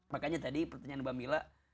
makanya tadi pertanyaan mbak mila